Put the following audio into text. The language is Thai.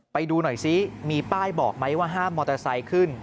ไปดูหน่อยซิมีป้ายบอกไหมว่าห้ามมอเตอร์ไซค์ขึ้น